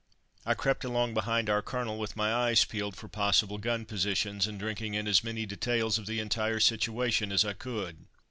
I crept along behind our Colonel, with my eyes peeled for possible gun positions, and drinking in as many details of the entire situation as I could.